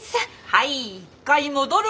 はい一回戻る！